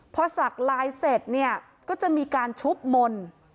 พอสักลายเสร็จเนี่ยก็จะมีการชุบมนต์